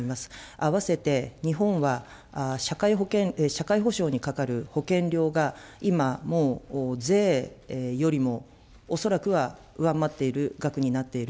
併せて日本は、社会保障にかかる保険料が今、もう税よりも、恐らくは上回っている額になっている。